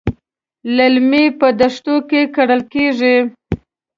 للمي په دښتو کې کرل کېږي.